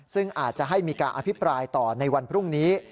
ซึ่งอาจจะให้มีการอภิปรายต่อในวันพรุ่งนี้